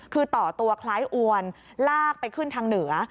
คือต่อตัวคล้ายอวนลากไปขึ้นทางเหนือ